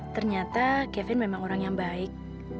ternyata kevin memang orang yang baik